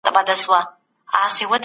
زموږ په مخکي ورځي شپې دي سفرونه